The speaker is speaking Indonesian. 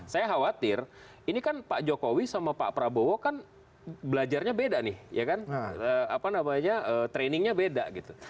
saya khawatir ini kan pak jokowi sama pak prabowo kan belajarnya beda nih ya kan apa namanya trainingnya beda gitu